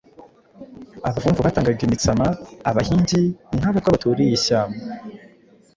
Abavumvu batangaga imitsama; Abahigi, nk'Abatwa baturiye ishyamba,